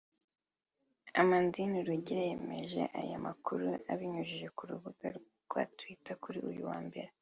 Amandin Rugira yemeje aya makuru abinyujije ku rubuga rwa Twitter kuri uyu wa Mbere